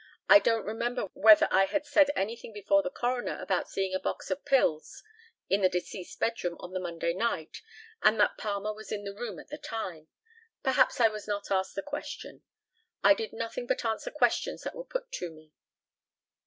I don't remember whether I said anything before the coroner about seeing a box of pills in the deceased's bedroom on the Monday night, and that Palmer was in the room at the time. Perhaps I was not asked the question. I did nothing but answer questions that were put to me.